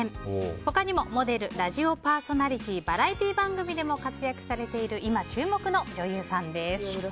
他にも、モデルラジオパーソナリティーバラエティー番組でも活躍されている今注目の女優さんです。